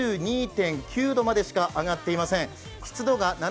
現在の気温２２．９度までしか上がっていません。